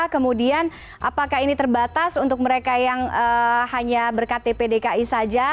kemudian apakah ini terbatas untuk mereka yang hanya berktp dki saja